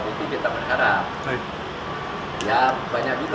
presiden marif itu pakai luka